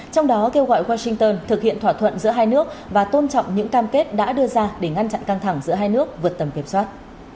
trong đó kêu gọi washington thực hiện thỏa thuận giữa hai nước và tôn trọng những cam kết đã đưa ra để ngăn chặn căng thẳng giữa hai nước vượt tầm kiểm soát